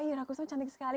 eh raku so cantik sekali